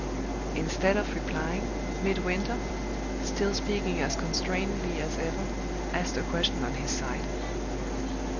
Instead of replying, Midwinter, still speaking as constrainedly as ever, asked a question on his side.